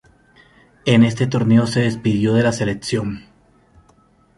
En este torneo se despidió de la selección.